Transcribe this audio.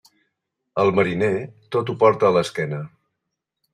El mariner, tot ho porta a l'esquena.